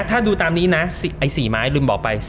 ถ้าดูตามนี้นะไอ้๔ไม้ลืมบอกไป